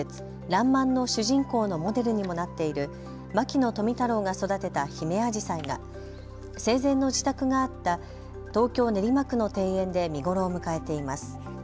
らんまんの主人公のモデルにもなっている牧野富太郎が育てたヒメアジサイが生前の自宅があった東京練馬区の庭園で見頃を迎えています。